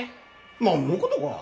何のことか。